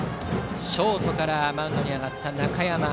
ショートからマウンドに上がった中山。